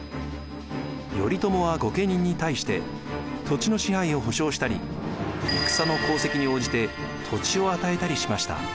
頼朝は御家人に対して土地の支配を保証したり戦の功績に応じて土地を与えたりしました。